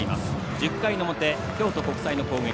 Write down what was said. １０回の表、京都国際の攻撃。